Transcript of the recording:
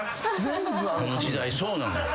あの時代そうなのよ。